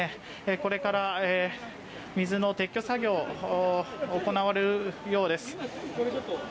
これから水の撤去作業が行われるようです。